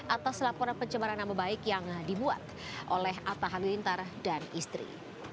atas laporan pencemaran nama baik yang dibuat oleh atta halilintar dan istri